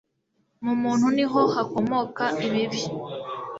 Mu muntu niho hakomoka ibibi